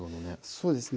そうですね。